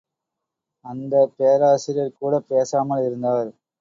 அந்தப் பேராசிரியர் கூடப்பேசாமல் இருந்தார்.